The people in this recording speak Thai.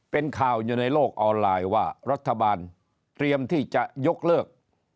เป็นข่าวอยู่ในโลกออนไลน์ว่ารัฐบาลเตรียมที่จะยกเลิก